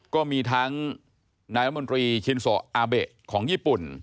ก็มีทั้งนายรัฐมนตรีชินโซอาเบะของญี่ปุ่น